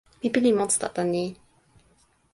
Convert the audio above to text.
mi pilin monsuta tan ni.